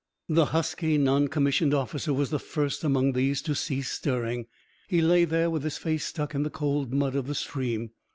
The husky non commissioned officer was the first among these to cease stirring. He lay there with his face stuck in the cold mud of the stream.